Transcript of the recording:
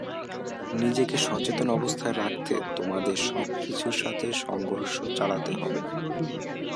নিজেকে সচেতন অবস্থায় রাখতে তোমাদের সবকিছুর সাথে সংঘর্ষ চালাতে হবে।